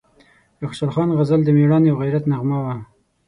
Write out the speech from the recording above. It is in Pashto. د خوشحال خان غزل د میړانې او غیرت نغمه وه،